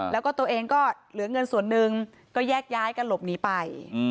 แล้วก็ตัวเองก็เหลือเงินส่วนหนึ่งก็แยกย้ายกันหลบหนีไป